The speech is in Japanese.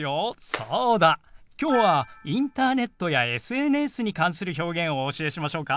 そうだきょうはインターネットやＳＮＳに関する表現をお教えしましょうか。